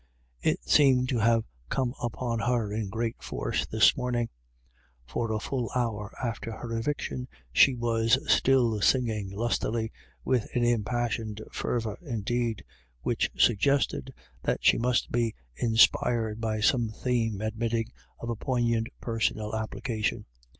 It seemed to have come upon her in great force this morning, for a full hour after her eviction she was still singing lustily, with an impassioned fervour, indeed, which suggested that she must be inspired by some theme admitting of a poignant personal application.